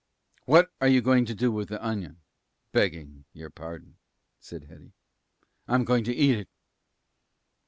"What are you going to do with the onion? begging your pardon," said Hetty. "I'm going to eat it."